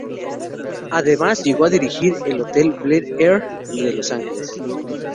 Además, llegó a dirigir el Hotel Bel Air de Los Ángeles.